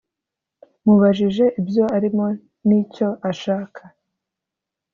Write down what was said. Mubajije ibyo arimo n’icyo ashaka